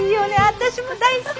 私も大好き。